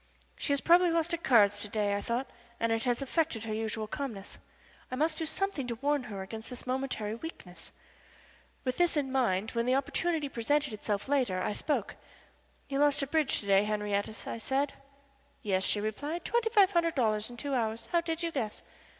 She has probably lost at cards to day, I thought, and it has affected her usual calmness. I must do something to warn her against this momentary weakness. With this idea in mind, when the opportunity presented itself later I spoke. "You lost at bridge to day, Henriette," I said. "Yes," she replied. "Twenty five hundred dollars in two hours. How did you guess?"